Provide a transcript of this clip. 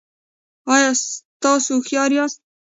ایا تاسو هوښیار یاست؟